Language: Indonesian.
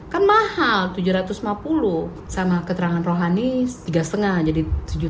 kan mahal tujuh ratus lima puluh sama keterangan rohani tiga lima jadi tujuh puluh